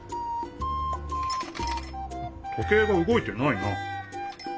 時計がうごいてないな。